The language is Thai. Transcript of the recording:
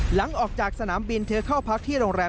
หลังจากสนามบินเธอเข้าพักที่โรงแรม